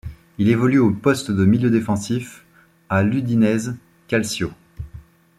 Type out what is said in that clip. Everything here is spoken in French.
Il évolue au poste de milieu défensif à l'Udinese Calcio.